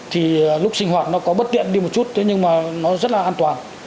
thì lúc sinh hoạt nó có bất tiện đi một chút thế nhưng mà nó rất là an toàn